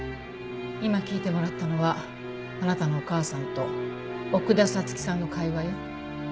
今聞いてもらったのはあなたのお母さんと奥田彩月さんの会話よ。